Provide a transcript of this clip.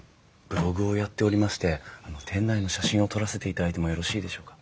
ブログをやっておりまして店内の写真を撮らせていただいてもよろしいでしょうか？